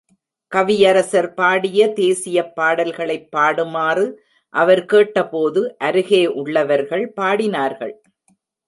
கவியரசர் பாடிய தேசியப் பாடல்களைப் பாடுமாறு அவர் கேட்ட போது அருகே உள்ளவர்கள் பாடினார்கள்.